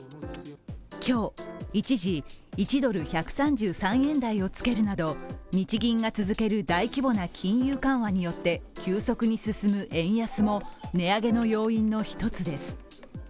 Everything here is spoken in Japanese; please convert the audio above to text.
今日、一時１ドル＝１３３円台をつけるなど日銀が続ける大規模な金融緩和によって急速に進む円安も値上げの要因の一つです。